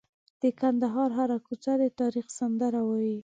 د کندهار هره کوڅه د تاریخ سندره وایي.